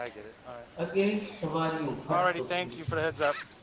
اڳيَ سوواريون گھٽ هوتِيون۔